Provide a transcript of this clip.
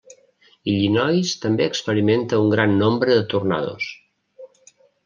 Illinois també experimenta un gran nombre de tornados.